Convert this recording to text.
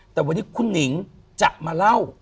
แต่วันนี้คุณหนิงจะมาเล่า